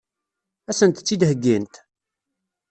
Ad sent-tt-id-heggint?